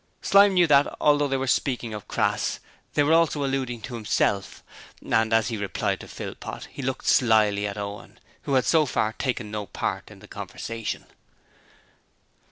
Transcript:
Slyme knew that, although they were speaking of Crass, they were also alluding to himself, and as he replied to Philpot he looked slyly at Owen, who had so far taken no part in the conversation.